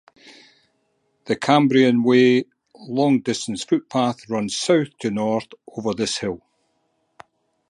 The Cambrian Way long distance footpath runs south to north over this hill.